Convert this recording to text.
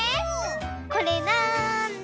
これなんだ？